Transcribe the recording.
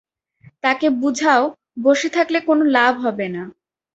তাকে বুঝাও, বসে থাকলে কোনও লাভ হবে না।